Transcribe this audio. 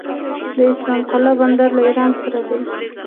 د اسلام قلعه بندر له ایران سره دی